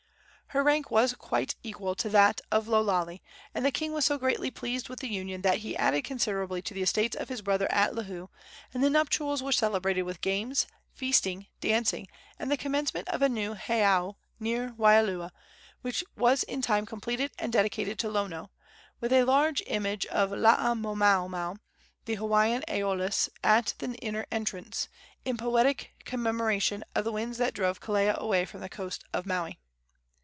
Her rank was quite equal to that of Lo Lale, and the king was so greatly pleased with the union that he added considerably to the estates of his brother at Lihue, and the nuptials were celebrated with games, feasting, dancing and the commencement of a new heiau near Waialua, which was in time completed and dedicated to Lono, with a large image of Laamaomao, the Hawaiian Æolus, at the inner entrance, in poetic commemoration of the winds that drove Kelea away from the coast of Maui.